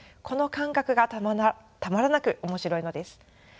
この感覚がたまらなく面白いのです。